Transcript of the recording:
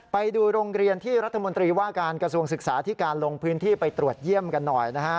ไปดูโรงเรียนที่รัฐมนตรีว่าการกระทรวงศึกษาที่การลงพื้นที่ไปตรวจเยี่ยมกันหน่อยนะฮะ